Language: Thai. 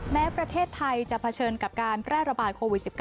แม้ประเทศไทยจะเผชิญกับการแพร่ระบาดโควิด๑๙